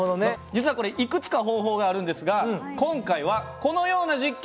実はこれいくつか方法があるんですが今回はこのような実験をしてみました。